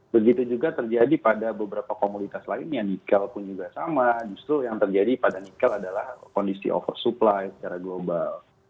begitu juga terjadi pada beberapa komunitas lainnya nikel pun juga sama justru yang terjadi pada nikel adalah kondisi oversupply secara global